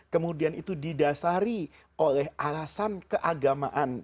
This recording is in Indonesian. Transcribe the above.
kemudian itu didasari oleh alasan keagamaan